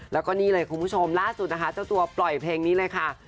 แล้วก็นี่เลยคุณผู้ชมล่าสุดนะคะเจ้าตัวปล่อยเพลงนี้เลยค่ะ